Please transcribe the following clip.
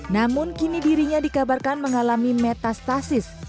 namun kini dirinya dikabarkan mengalami metastasis